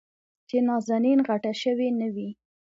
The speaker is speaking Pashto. چې نازنين غټه شوې نه وي.